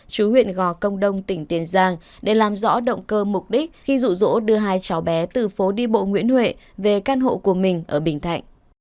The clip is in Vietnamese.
chú huyện gò công đông tỉnh tiền giang để làm rõ động cơ mục đích khi rụ rỗ đưa hai cháu bé từ phố đi bộ nguyễn huệ về căn hộ của mình ở bình thạnh